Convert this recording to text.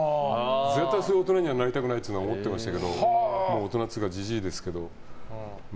絶対そういう大人にはなりたくないと思っていましたけど大人というか、じじいですけど。